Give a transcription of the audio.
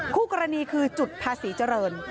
คู่กรณีคือจุดภาษีเจริญ